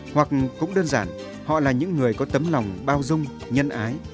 hoặc cũng đơn giản họ là những người có tấm lòng bao dung nhân ái